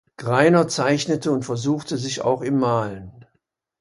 Greiner zeichnete und versuchte sich auch im Malen.